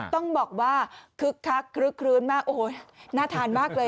ต้องบอกว่าคึกคักคลึกคลื้นมากโอ้โหน่าทานมากเลย